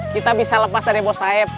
kita bisa lepas dari bos aib